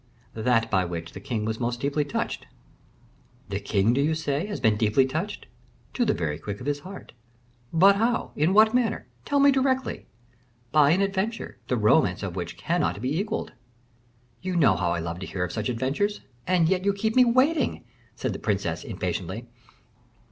"That by which the king was most deeply touched." "The king, do you say, has been deeply touched?" "To the very quick of his heart." "But how? in what manner? tell me directly." "By an adventure, the romance of which cannot be equalled." "You know how I love to hear of such adventures, and yet you keep me waiting," said the princess, impatiently.